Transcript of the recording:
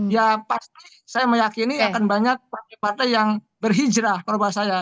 ya pasti saya meyakini akan banyak partai partai yang berhijrah kalau bahasa saya